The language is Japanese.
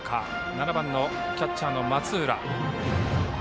７番キャッチャーの松浦。